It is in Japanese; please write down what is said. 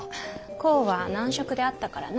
公は男色であったからな。